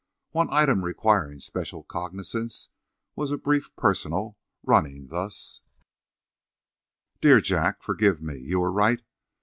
One other item requiring special cognizance was a brief "personal," running thus: DEAR JACK:—Forgive me. You were right.